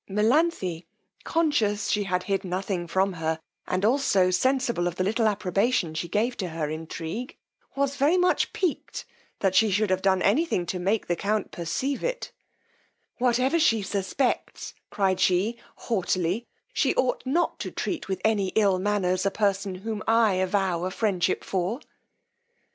Melanthe, conscious she had hid nothing from her, and also sensible of the little approbation she gave to her intrigue, was very much picqued that she should have done any thing to make the count perceive it; whatever she suspects, cried she, haughtily, she ought not to treat with any ill manners a person whom I avow a friendship for.